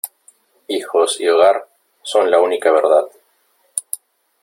Hijos y hogar, son la única verdad.